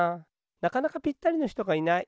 なかなかぴったりのひとがいない。